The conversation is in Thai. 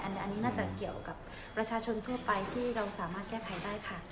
อันนี้น่าจะเกี่ยวกับประชาชนทั่วไปที่เราสามารถแก้ไขได้ค่ะ